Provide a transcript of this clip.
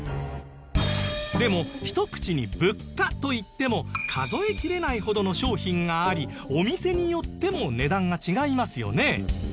でもひと口に物価といっても数えきれないほどの商品がありお店によっても値段が違いますよね。